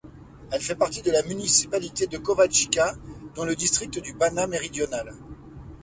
Elle fait partie de la municipalité de Kovačica dans le district du Banat méridional.